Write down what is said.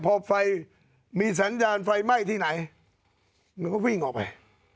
พอไฟมีสัญญาณไฟไหม้ที่ไหนมันก็วิ่งออกไป